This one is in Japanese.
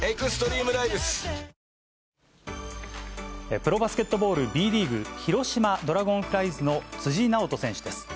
プロバスケットボールＢリーグ・広島ドラゴンフライズの辻直人選手です。